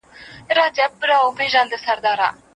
د مسلو د حل لپاره سیستماتیکه تګلاره اړینه ده.